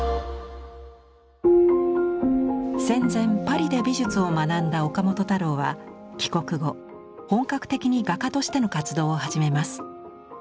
戦前パリで美術を学んだ岡本太郎は帰国後本格的に画家としての活動を始めます。